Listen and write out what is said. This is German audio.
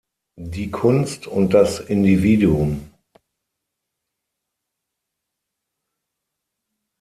Die Kunst und das Individuum“.